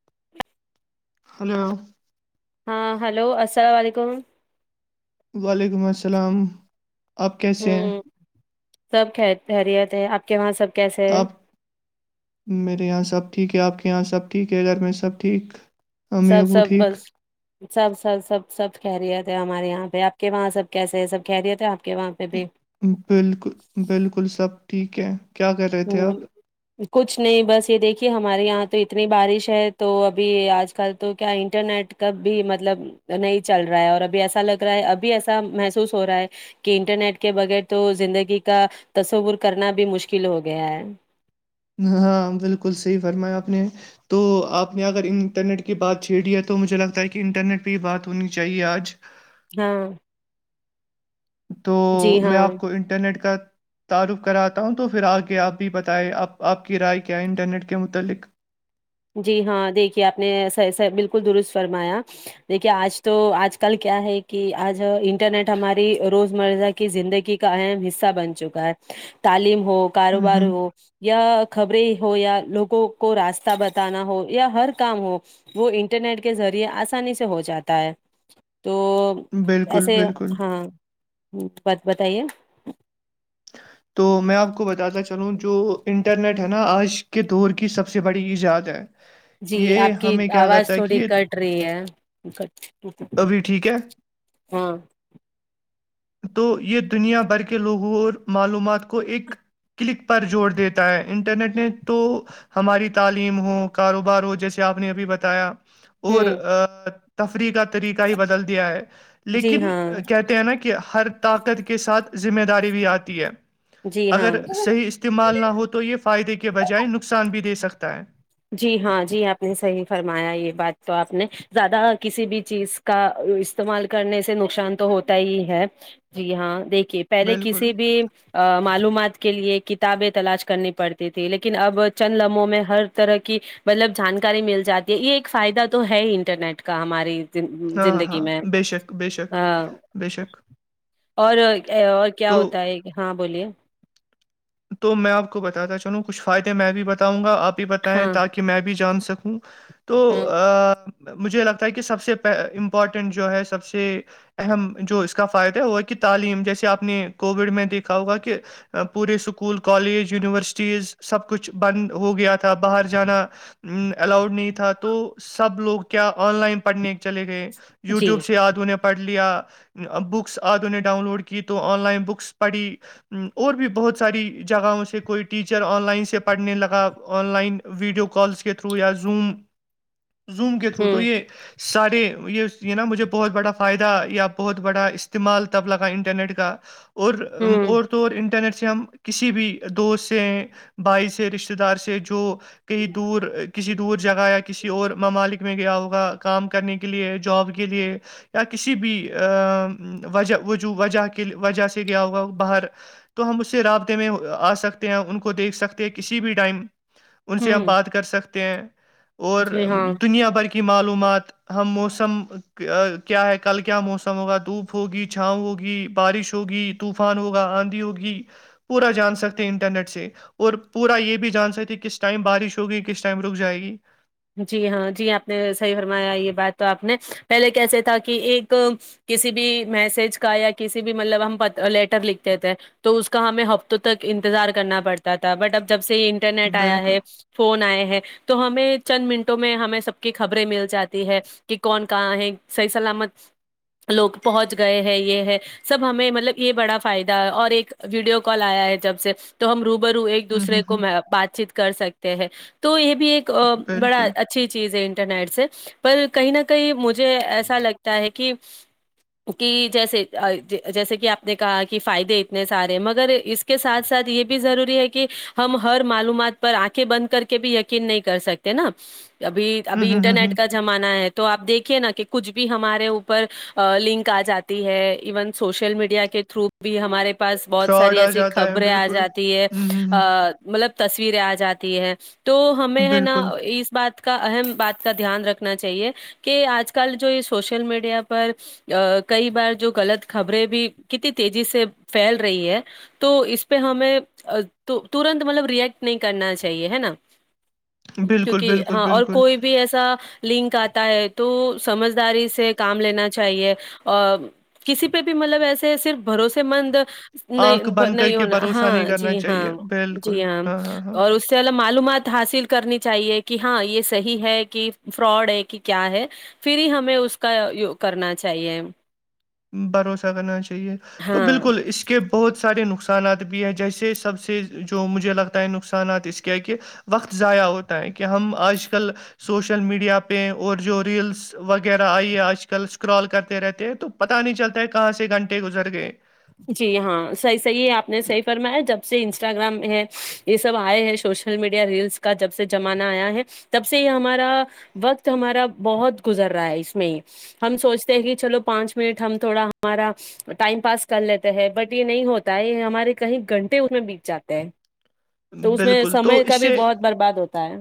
[inaudible] hello ہاں hello اسلام علیکم وعلیکم السلام آپ کیسے ہیں ہوں سب خیر خیریت ہے آپ کے وہاں سب کیسے ہے آپ میرے یہاں سب ٹھیک ہے آپ کے یہاں سب ٹھیک ہے گھر میں سب ٹھیک امی سب ابو سب ٹھیک بس سب سب سب سب خیریت ہے ہمارے یہاں پہ آپ کے وہاں سب کیسے ہے سب خیریت ہے آپ کے وہاں پہ بھی بالکل بالکل سب ٹھیک ہے کیا کر رہے تھے ہوں آپ کچھ نہیں بس یہ دیکھیے ہمارے یہاں تو اتنی بارش ہے تو ابھی آج کل تو کیا انٹرنیٹ کب بھی مطلب نہیں چل رہا ہے اور ابھی ایسا لگ رہا ہے ابھی ایسا محسوس ہو رہا ہے کہ انٹرنیٹ کے بغیر تو زندگی کا تصور کرنا بھی مشکل ہو گیا ہے ہاں بالکل صحیح فرمایا آپ نے تو آپ نے اگر انٹرنیٹ کی بات چھیڑ ہے تو مجھے لگتا ہے کہ انٹرنیٹ پہ ہی بات ہونی چاہیے آج ہاں تو جی میں ہاں آپ کو انٹرنیٹ کا تعارف کراتا ہوں تو پھر آگے آپ بھی بتائیں اب آپ کی رائے کیا ہے انٹرنیٹ کے متعلق جی ہاں دیکھیے آپ نے ایسا ایسا بالکل درست فرمایا دیکھیے آج تو آج کل کیا ہے کہ آج انٹرنیٹ ہماری روز مرہ کی زندگی کا اہم حصہ بن چکا ہے تعلیم ہو ہ کاروبار ہ ہو یا خبریں ہو یا لوگوں کو راستہ بتا تانا ہو یا ہر کام ہو وہ انٹرنیٹ کے ذریعے آسانی سے ہو جاتا ہے تو بالکل ایسے بالکل ہاں بات بتائیے تو میں آپ کو بتاتا چلوں جو انٹرنیٹ ہے نا آج کے دور کی سب سے بڑی ایجاد ہے جی یہ آپ کی ہمیں کیا آواز کرتا ہے کہ تھوڑی کٹ یہ رہی ہے ابھی ٹھیک ہے ہاں تو یہ دنیا بھر کے لوگوں اور معلومات کو ایک کلک پر جوڑ دیتا ہے انٹرنیٹ نے تو ہماری تعلیم ہو کاروبار ہو جیسے آپ نے ابھی بتایا ہ اور ا تفریح کا طریقہ ہی بدل دیا ہے جی لیکن ہاں کہتے ہیں نا کہ ہر طاقت کے ساتھ ذمہ داری بھی آتی ہے جی اگر ہاں صحیح اس استعمال نہ ہو تو یہ فائدے کے بجائے نقصان بھی دے سکتا ہے جی ہاں جی آپ نے صحیح فرمایا یہ بات تو آپ نے زیادہ کسی بھی چیز کا استعمال کرنے سے نقصان تو ہوتا ہی ہے جی ہاں دیکھیے پہلے بالکل، کسی بھی معلومات کے لیے کتابیں تلاش کرنی پڑتی تھی لیکن اب چند لمحوں میں ہر طرح کی مطلب جانکاری مل جاتی ہے یہ ایک فائدہ تو ہے انٹرنیٹ کا ہماری ہاں، زندگی ہاں، میں بے شک، بے شک، ا بے شک، اور اور کیا تو ہوتا ہے ہاں بولیے تو میں آپ کو بتاتا چلوں کچھ فائدے میں بھی بتاؤں گا آپ بھی بتائیں ہاں تاکہ میں بھی جان سکوں تو ہ ا مجھے لگتا ہے کہ سب سے امپورٹنٹ جو ہے سب سے اہم جو اس کا فائدہ ہے ہوا کہ تعلیم جیسے آپ نے کوویڈ میں دیکھا ہوگا کہ پورے اسکول کالج یونیورسٹیز سب کچھ بند ہو گیا تھا باہر جانا الاؤڈ نہیں تھا تو سب لوگ کیا آن لائن پڑھنے چلے گئے جی یوٹیوب سے آج انھیں پڑھ لیا بکس آدوں نے ڈاؤن لوڈ کی تو آن لائن بکس پڑھی ہ اور بھی بہت ساری جہاں اسے کوئی ٹیچر آن لائن سے پڑھنے لگا آن لائن ویڈیو کالس کے تھرو یا زوم زوم کے تھرو تو ہوں یہ سارے یہ نا مجھے بہت بڑا فائدہ یا بہت بڑا استعمال تب لگا انٹرنیٹ کا اور ہوں اور تو اور انٹرنیٹ سے ہم کسی بھی دوست سے بھائی سے رشتتے دار سے جو کہیں دور کسی دور جگہ یا کسی اور ممالک میں گیا ہوگا کام کرنے کے لیے جاب کے لیے یا کسی بھی وجہ وجو وجہ کے وجہ سے گیا ہوگا باہر تو ہم اس سے رابطے میں آ سکتے ہیں ان کو دیکھ سکتے ہیں کسی بھی ٹائم ان سے ہم ہوں بات کر سکتے ہیں اور جی ہاں دنیا بھر کی معلومات ہم موسم کیا ہے کل کیا موسم ہوگا دھوپ ہوگی چھاؤ ہوگی بارش ہوگی طوفان ہوگا آندھی ہوگی پورا جان سکتے ہیں انٹرنیٹ سے اور پورا یہ بھی جان سکتی کس ٹائم بارش ہوگی کس ٹائم رک جائے گی جی ہاں جی آپ نے صحیح فرمایا یہ بات تو آپ نے پہلے کیسے تھا کہ ایک کسی بھی میسج کا یا کسی بھی مطلب ہم لیٹر لکھتے تھے تو اس کا ہمیں ہفتوں تک انتظار کرنا پڑتا تھا بٹ اب جب سے انٹرنیٹ آیا بالکل ہے فون آئے ہیں تو ہمیں چند منٹوں میں ہمیں سب کی خبریں مل جاتی ہے کہ کون کہاں ہے صحیح سلامت لوگ پہنچ گئے ہیں یہ ہے سب ہمیں مطلب یہ بڑا فائدہ ہے اور ایک ویڈیو کال آیا ہے جب سے تو ہم روب رو ایک ہ ہ دوسرے کو ہ بات چیت کر سکتے ہیں تو یہ بھی ایک بالکل ا چیز انٹرنیٹ سے پر کہیں نہ کہیں مجھے ایسا لگتا ہے کہ کہ جیسے جیسے کہ آپ نے کہا کہ فائدے اتنے سارے ہیں مگر اس کے ساتھ ساتھ یہ بھی ضروری ہے کہ ہم ہر معلومات پر آنکھیں بند کر کے بھی یقین نہیں کر سکتے نا ابھی ہ ابھی ہ ہ انٹرنیٹ ہ کا زمانہ ہے تو آپ دیکھیے نا کہ کچھ بھی ہمارے اوپر لنک آ جاتی ہے ایون سوشل میڈیا کے تھرو بھی ہمارے پاس بہت فراڈ ساری آ ایسی جاتا ہے خبریں آ بالکل جاتی ہے ہ ہ ا ہ مطلب تصویریں آ جاتی ہے تو ہمیں ہے نا بالکل اس بات کا اہم بات کا دھیان رکھنا چاہیے کہ آج کل جو یہ سوشل میڈیا پر ا کئی بار جو غلط خبریں بھی کتنی تیزی سے پھیل رہی ہے تو اس پہ ہمیں ترنت مطلب ریئیکٹ نہیں کرنا چاہیے ہے نا بالکل کیونکہ بالکل ہاں اور بالکل کوئی بھی ایسا لنک آتا ہے تو سمجھداری سے کام لینا چاہیے کسی پہ بھی مطلب ایسے صرف بھروسے مند نہیں آنکھ بند کر نہیں کے ہونا بھروسہ نہیں ہاں کرنا جی ہاں چاہیے بالکل جی ہاں ہاں اور اس چلو معلومات حاصل کرنی چاہیے کہ ہاں یہ صحیح ہے کہ فراڈ ہے کہ کیا ہے پھر ہی ہمیں اس کا کرنا چاہیے بھروسہ کرنا چاہیے تو ہاں بالکل اس اس کے بہت سارے نقصانات بھی ہیں جیسے سب سے جو مجھے لگتا ہے نقصانات اس کیا کہ وقت ضائع ہوتا ہے کہ ہم آج کل سوشل میڈیا پہ اور جو ریلس وغیرہ آئی ہے آج کل اسکرال کرتے رہتے ہیں تو پتا نہیں چلتا ہے کہاں سے گھنٹے گزر گئے جی ہاں صحیح صحیح آپ نے صحیح فرمایا جب سے انسٹاگرام ہے یہ سب آئے ہیں سوشل میڈیا ریلس کا جب سے زمانہ آیا ہے تب سے یہ ہمارا وقت ہمارا بہت گزر رہا ہے اس میں ہم سوچتے ہیں کہ چلو پانچ منٹ ہم تھوڑا ہمارا ٹائم پاس کر لیتے ہیں بٹ یہ نہیں ہوتا ہے یہ ہمارے کہیں گھنٹے اس میں بیت جاتے ہیں تو اس میں بالکل تو سمے کا اس بھی سے بہت برباد ہوتا ہے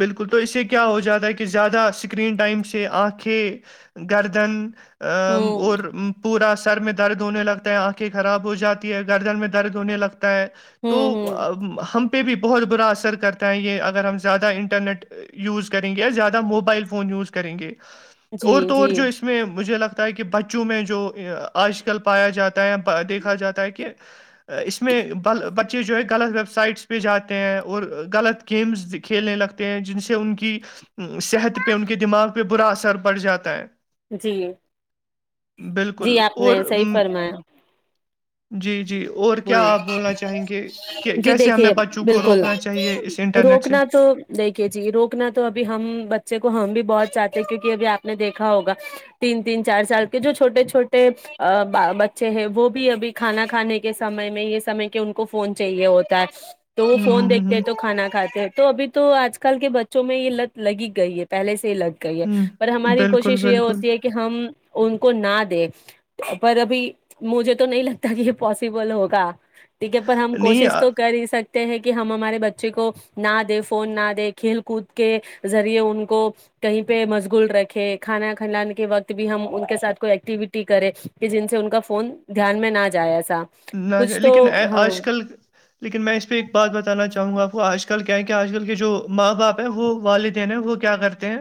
بالکل تو اس سے کیا ہو جاتا ہے کہ زیادہ اسکرین ٹائم سے آنکھیں گردن ام ہوں اور پورا سر میں درد ہونے لگا آنکھیں خراب ہو جاتی ہے گردن میں درد ہونے لگتا ہے تو ہوں ہوں ام، ہم پہ بھی بہت برا اثر کرتا ہے یہ اگر ہم زیادہ انٹرنیٹ یوز کریں گے یا زیادہ موبائل فون یوز کریں گے جی اور تو اور جی جو اس اس میں مجھے لگتا ہے کہ بچوں میں جو آج کل پایا جاتا ہے دیکھا جاتا ہے کہ اس میں بق بچے جو ہے غلط ویب سائٹس پہ جاتے ہیں اور غلط گیمس کھیلنے لگتے ہیں جن سے ان کی صحت پہ ان کے دماغ پہ برا اثر پڑ جاتا ہے جی بالکل جی آپ اور نے صحیح م فرمایا جی جی اور کیا ہوں آپ بولنا چاہیں گے کہ جی کیسے ہمیں دیکھیے بچوں کو بالکل روکنا چاہیے اس انٹرنیٹ سے روکنا تو دیکھیے جی روکنا تو ابھی ہم بچے کو ہم بھی بہت چاہتے ہیں کیونکہ ابھی آپ نے دیکھا ہوگا تین تین چار سال کے جو چھوٹے چھوٹے آں بچے ہیں وہ بھی ابھی کھانا کھانے سمے میں یہ سمے کے ان کو فون چاہیے ہوتا ہے تو وہ ہوں فون ہوں دیکھ ہوں تو کھانا کھاتے ہیں تو ابھی تو آج کل کے بچوں میں یہ لت لگی گئی ہے پہلے سے یہ لگ کہئی ہے ہوں پر ہوں، ہماری بالکل کوشش یہ بالکل ہوتی ہے کہ ہم ان کو نہ دیں پر ابھی مجھے تو نہیں لگتا کہ پاسبل ہوگا ٹھیک ہے پر ہم نہیں کوشش تو کر ہی سک ہیں کہ ہمارے بچے کو نہ دے فون نہ دے کھیل کود کے ذریعے ان کو کہیں پہ مشغول رکھے کھانا کھنلانے کے وقت بھی ہم ان کے ساتھ کوئی ایکٹیویٹی کریں کہ جن سے ان کا فون دھیان میں نہ جایا س نہ جا لیکن آ آج کل لیکن میں اس پہ ایک بات بتانا چاہوں گا آپ کو آج کل کیا ہے کیا آج کل کے جو ماں باپ ہے وہ والدین ہے وہ کیا کرتے ہیں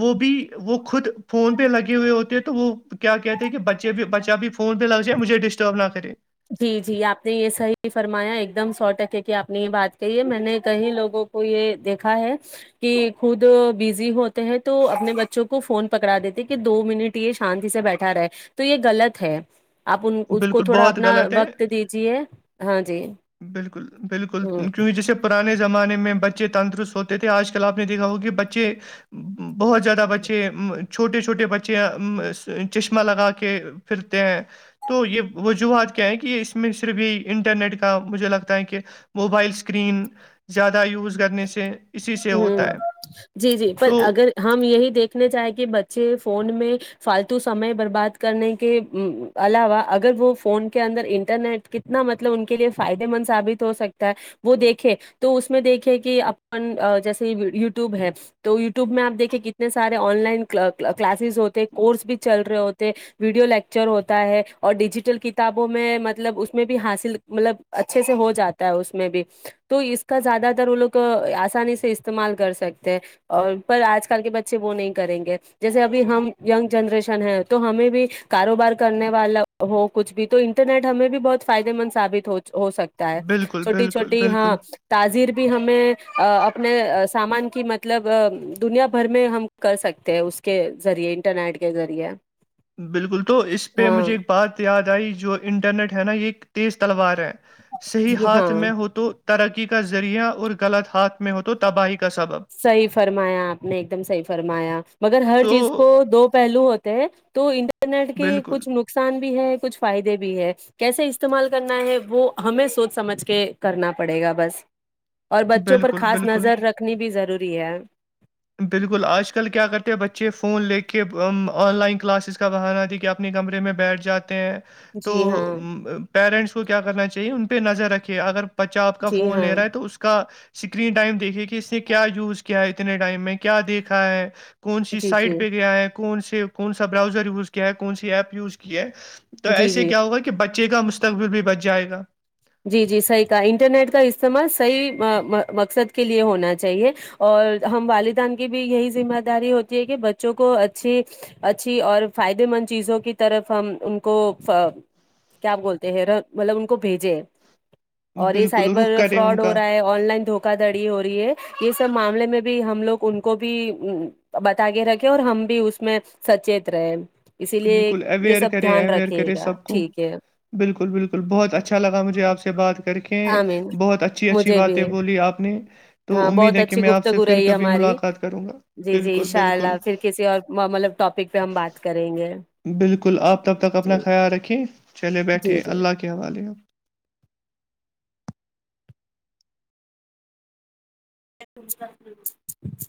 وہ بھی وہ خود فون پہ لگے ہوئے ہوتے ہیں تو وہ کیا کہتے ہیں کہ بچے بھی بچہ بھی فون پہ لگ جائے مجھے ڈسٹرب نہ کرے جی جی آپ نے یہ صحیح فرمایا ایک دم سو ٹکے کی آپ نے یہ بات کہی ہے میں نے کئی لوگوں کو یہ دیکھا ہے کہ خود بزی ہوتے ہیں تو اپنے بچوں کو فون پکڑا دیتے کہ دو منٹ یہ شانتی سے بیٹھا رہے تو یہ غط ہے آپ ان اس کو بالکل تھوڑا اپ بہت غلط ہے دیجیے ہاں جی بالکل بالکل ہ ان کے وجہ سے پرانے زمانے میں بچے تندرست ہوتے تھے آج کل آپ نے دیکھا ہو کہ بچے بہت زیادہ بچے ام چھوٹے چھوٹے بچے ام چشمہ لگا کے پھرتے ہیں تو یہ وجوہات کیا ہے کہ یہ اس میں صرف یہ انٹرنیٹ کے مجھے لگتا ہے کہ موبائل اسکرین زیادہ یوز کرنے سے اسی سے ہوتا ہمم ہے جی جی پر تو اگر ہم یہی دیکھنے چاہیں کہ بچے فون میں فالتو سمے برباد کرنے کے علاوہ اگر وہ فون کے اندر انٹرنیٹ کے نا مطلب ان کے لیے فائدے مند ثابت ہو سکتا ہے وہ دیکھے تو اس میں دیکھے کہ اپن ا جیسے یوٹیوب ہے تو یوٹیوب میں آپ دیکھے کتنے سارے آن لائن کلا کلاسز ہوتے کورس بھی چل رہے ہوتے ویڈیو لیکچر ہوتا ہے اور ڈیجیٹل کتابوں میں مطلب اس میں بھی حاصل مطلب اچھے سے ہو جاتا ہے اس میں بھی تو اس کا زیادہ تر وہ لوگ آس آسانی سے استعمال کر سکتے ہیں اور پر آج کل کے بچے وہ نہیں کریں گے جیسے ابھی ہم یگ جنریشن ہے تو ہمیں بھی کاروبار کرنے والا ہو کچھ بھی تو انٹرنیٹ ہمیں بھی بہت فائدے مند ثابت ہو ہو سک تا ہے بالکل چھوٹی بالکل چھوٹی ہاں بالکل تازیر بھی ہمیں اپنے سامان کی مطلب دنیا بھر میں ہم کر سکتے ہیں اس کے ذریعے انٹرنیٹ کے ذریعے بالکل تو اس پہ ہاں مجھے ایک بات یاد آئی جو انٹرنیٹ ہے نا یہ تیز تلوار ہے صحیح جی ہاتھ ہاں میں ہو تو ترقی کا ذریعہ اور غلط ہاتھ میں ہو تو تباہی کا سبب صحیح فرمایا آپ نے ایک دم صحیح فرمایا مگر ہر تو چیز کو دو پہلو ہوتے ہیں تو انٹرنیٹ کے بالکل کچھ نقصان بھی ہے کچھ فائدے بھی ہے کیسے استعمال کرنا ہے وہ ہمیں سوچ سمجھ کے کرنا پڑے گا بس اور بچوں پر بالکل خاص بالکل نظر رکھنی بھی ضروری ہے بالکل آج کل کیا کرتے ہیں بچے فون لے کے آن لائن کلاسز کا بہانا کیا اپنے کمرے میں بیٹھ جاتے ہیں تو جی ہاں پیرنٹس کو کیا کرنا چاہیے ان پہ نظر رکھے اگر بچہ آپ کا جی فون ہاں لے رہا ہے تو اس کا اسکرین ٹائم دیکھیے کہ اس نے کیا یوز کیا ہے اتنے ٹائم میں کیا دیکھا ہے کون سی جی جی سائڈ پہ گیا ہے تو کون سے کون سا براؤزر یوز کیا ہے کون سی ایپ یوز کی ہے تو جی ایسے جی کیا ہوا کہ کہ بچے کا مستقبل بھی بچ جائے گا جی جی صحیح کہا انٹرنیٹ کا استعمال صحیح ما ما مقصد کے لیے ہونا چاہیے اور ہم والدان کی بھی یہی ذمہ داری ہوتی ہے کہ بچوں کو اچھی اچھی اور فائدے مند چیزوں کی طرف ہم ان کو کیا بولتے ہیں مطلب ان کو بھیجے اور یہ بالکل سائبر رخ کرے ان فراڈ ہو کا رہا ہے آن لائن دھوکا دھڑی ہو رہی ہے یہ سب معاملے میں بھی ہم لوگ ان کو بھی بتا کے رکھے اور ہم بھی اس میں سچیت رہے اسی لیے بالکل یہ اویئر سب کرے دھیان اویئر رکھیے کرے گا سب کو ٹھیک ہے بالکل بالکل بہت اچھا لگاجھے آپ سے بات کر کے آمین بہت اچھی اچھی مجھے بھی باتیں بولی آپ نے تو ہاں امید بہت ہے کہ اچھی میں آپ سے گفتگو پھر رہی کبھی ہماری ملاقات کر جی جی ان شاء اللہ پھر کسی اور مطلب ٹاپک پہ ہم بات کریں گے بالکل آپ تب تک اپنا جی خیال رکھیں چلے جی بیٹھے جی اللہ کے حوالے